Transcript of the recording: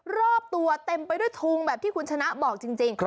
รอบตัวเต็มไปด้วยทุงแบบที่คุณชนะบอกจริง